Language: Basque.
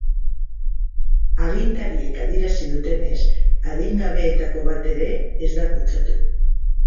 Agintariek adierazi dutenez, adingabeetako bat ere ez da kutsatu.